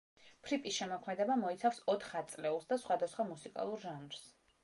ფრიპის შემოქმედება მოიცავს ოთხ ათწლეულს და სხვადასხვა მუსიკალურ ჟანრს.